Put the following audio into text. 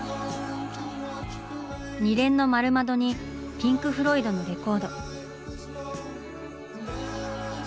二連の丸窓にピンク・フロイドのレコード。